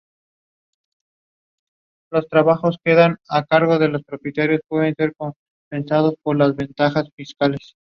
Nafa-Khum no es muy popular como destino turístico.